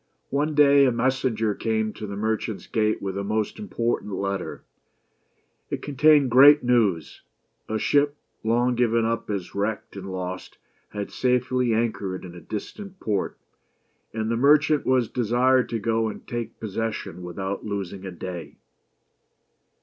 One day a messenger came to the merchant's gate with a most import ant letter. It contained great news. A ship, long given up as wrecked and lost, had safely anchored in a distant port ; and the merchant was desired to go and take possession without losing a day.